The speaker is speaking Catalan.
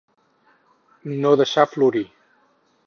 No deixar florir.